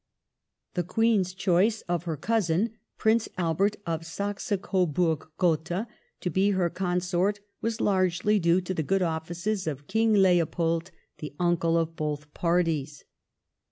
The Queen's choice of her cousin Prince Albert of Saxe Coburg Gotha to be her Consort was largely due to the good offices of King Leopold, the uncle of both parties.